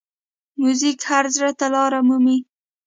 موزیک هر زړه ته لاره مومي.